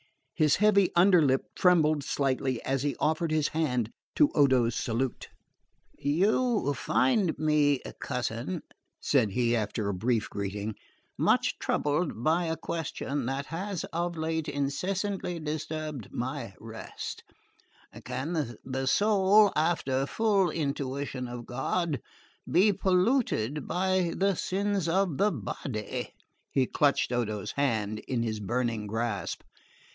His heavy under lip trembled slightly as he offered his hand to Odo's salute. "You find me, cousin," said he after a brief greeting, "much troubled by a question that has of late incessantly disturbed my rest can the soul, after full intuition of God, be polluted by the sins of the body?" he clutched Odo's hand in his burning grasp.